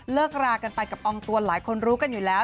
เลือกรากันไปกับองค์ตัวหลายคนรู้กันอยู่แล้ว